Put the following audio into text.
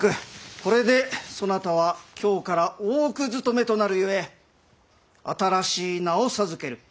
これでそなたは今日から大奥勤めとなるゆえ新しい名を授ける。